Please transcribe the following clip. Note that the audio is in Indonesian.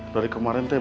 pada saat ini